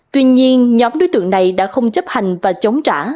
tuy nhiên nhóm đối tượng này đã không chấp hành và chống trả